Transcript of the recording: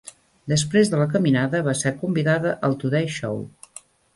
Després de la caminada, va ser convidada al "Today Show".